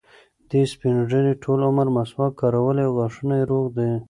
دې سپین ږیري ټول عمر مسواک کارولی او غاښونه یې روغ دي.